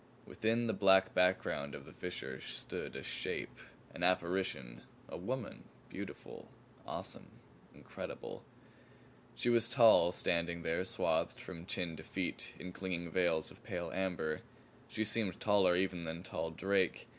Within the black background of the fissure stood a shape, an apparition, a woman beautiful, awesome, incredible! She was tall, standing there swathed from chin to feet in clinging veils of pale amber, she seemed taller even than tall Drake.